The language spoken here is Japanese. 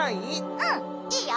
うんいいよ。